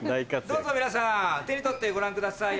どうぞ皆さん手に取ってご覧ください